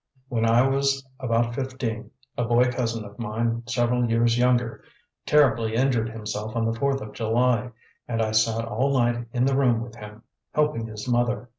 ... When I was about fifteen, a boy cousin of mine, several years younger, terribly injured himself on the Fourth of July; and I sat all night in the room with him, helping his mother.